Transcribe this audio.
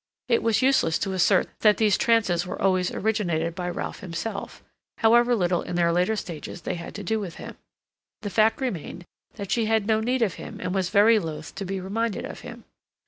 It was useless to assert that these trances were always originated by Ralph himself, however little in their later stages they had to do with him. The fact remained that she had no need of him and was very loath to be reminded of him.